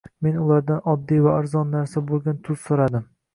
Men ulardan oddiy va arzon narsa boʻlgan tuz soʻradim